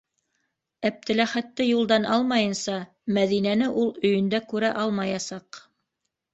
Әптеләхәтте юлдан алмайынса, Мәҙинәне ул өйөндә күрә алмаясаҡ.